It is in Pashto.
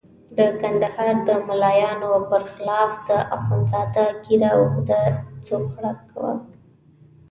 د کندهار د ملایانو برخلاف د اخندزاده ږیره اوږده څوکړه وه.